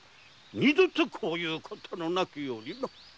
二度とこんなことのないようにな。